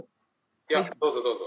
いやどうぞどうぞ。